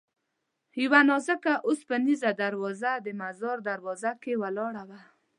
یوه نازکه اوسپنیزه دروازه د مزار دروازه کې ولاړه وه.